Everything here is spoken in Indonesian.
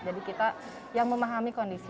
jadi kita yang memahami kondisi dia